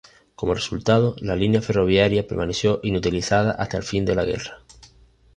Como resultado, la línea ferroviaria permaneció inutilizada hasta el final de la guerra.